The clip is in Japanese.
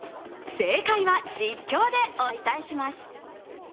正解は実況でお伝えします。